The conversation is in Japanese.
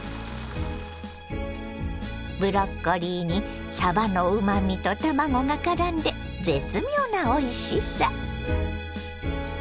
ブロッコリーにさばのうまみと卵がからんで絶妙なおいしさ。